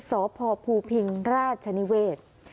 สพภูพิงราชนิเวศ